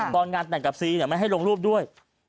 ตอนงานแต่งกับซีไม่ให้ลงรูปด้วย